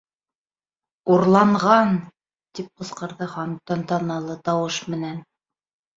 —Урланған! —тип ҡысҡырҙы Хан тантаналы тауыш менән